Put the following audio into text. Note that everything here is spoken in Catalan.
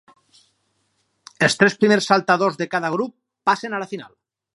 Els tres primers saltadors de cada grup passen a la final.